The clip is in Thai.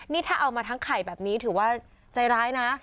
นี่ถ้าเอามาทั้งไข่แบบนี้ถือว่าใจร้ายนะ